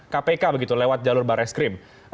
kpk begitu lewat jalur barreskrim